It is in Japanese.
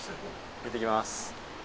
行ってきます。